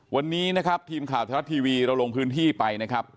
วันนี้นะครับทีมข่าวไทยรัฐทีวีเราลงพื้นที่ไปนะครับ